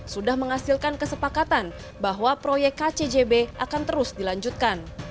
sudah menghasilkan kesepakatan bahwa proyek kcjb akan terus dilanjutkan